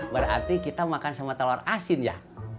berarti kita makan sama telur asin ya